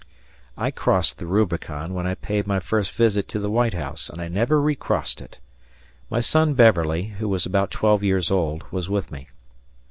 I crossed the Rubicon when I paid my first visit to the White House, and I never recrossed it. My son Beverly, who was about twelve yearsold, was with me.